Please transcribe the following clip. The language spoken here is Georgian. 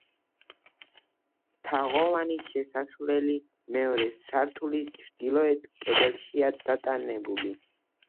თაღოვანი შესასვლელი მეორე სართულის ჩრდილოეთ კედელშია დატანებული.